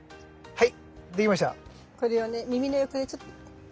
はい。